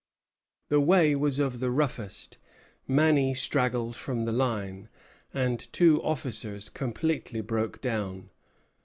The way was of the roughest; many straggled from the line, and two officers completely broke down.